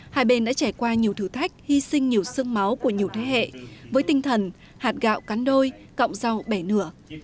hai bên đã trải qua nhiều thử thách hy sinh nhiều sương máu của nhiều thế hệ với tinh thần hạt gạo cắn đôi cọng rau bẻ nửa